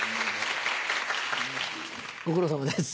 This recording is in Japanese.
ご苦労さまです。